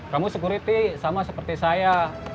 kamu security sama seperti saya